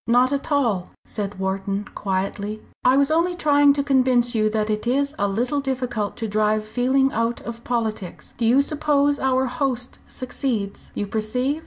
"Not at all," said Wharton, quietly, "I was only trying to convince you that it is a little difficult to drive feeling out of politics. Do you suppose our host succeeds? You perceive?